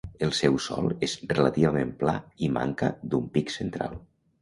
El seu sòl és relativament pla i manca d'un pic central.